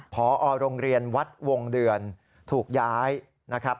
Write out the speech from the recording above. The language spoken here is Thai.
พอโรงเรียนวัดวงเดือนถูกย้ายนะครับ